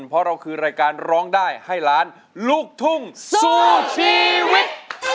เพราะเราคือรายการร้องได้ให้ล้านลูกทุ่งสู้ชีวิต